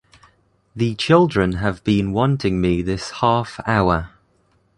The children have been wanting me this half hour.